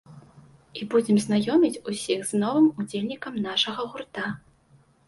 І будзем знаёміць усіх з новым удзельнікам нашага гурта.